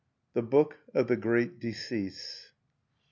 The Book Of the Great Decease.